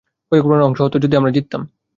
পরিকল্পনার অংশ হতো যদি আমরা জিততাম।